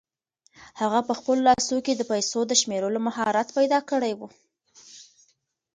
هغه په خپلو لاسو کې د پیسو د شمېرلو مهارت پیدا کړی و.